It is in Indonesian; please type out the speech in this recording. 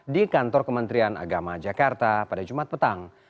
di kantor kementerian agama jakarta pada jumat petang